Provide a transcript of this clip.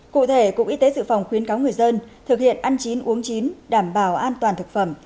cụ thể cục y tế dự phòng khuyến cáo người dân thực hiện ăn chín uống chín đảm bảo an toàn thực phẩm